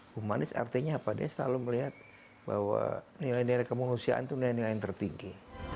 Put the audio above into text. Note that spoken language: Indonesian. humanis artinya apa dia selalu melihat bahwa nilai nilai kemanusiaan itu nilai nilai yang tertinggi